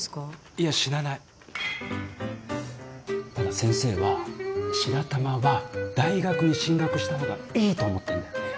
いや死なないただ先生は白玉は大学に進学した方がいいと思ってんだよね